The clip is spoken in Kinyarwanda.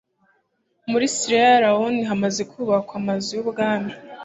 muri siyera lewone hamaze kubakwa amazu y ubwami